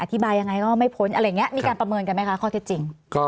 ยังไงก็ไม่พ้นอะไรอย่างนี้มีการประเมินกันไหมคะข้อเท็จจริง